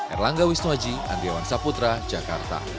erlangga wisnuaji andriawan saputra jakarta